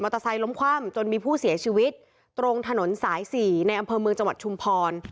ไซคล้มคว่ำจนมีผู้เสียชีวิตตรงถนนสายสี่ในอำเภอเมืองจังหวัดชุมพร